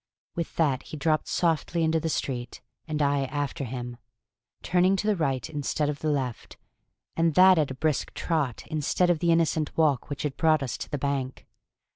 With that he dropped softly into the street, and I after him, turning to the right instead of the left, and that at a brisk trot instead of the innocent walk which had brought us to the bank.